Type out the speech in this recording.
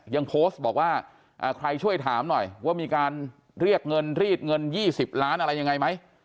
ยังโพสต์บอกว่าใครช่วยถามหน่อยว่ามีการเรียกเงินรีดเงิน๒๐ล้านอะไรยังไงไหม